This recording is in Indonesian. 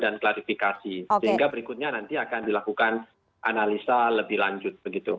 dan klarifikasi sehingga berikutnya nanti akan dilakukan analisa lebih lanjut begitu